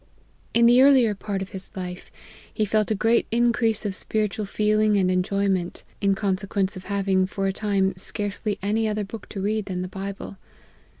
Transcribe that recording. In the earlier part of his life he felt a great in crease of spiritual feeling and enjoyment, in conse quence of having for a time scarcely any other book to read than the Bible.